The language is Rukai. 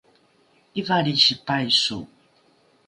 ’ivalrisi paiso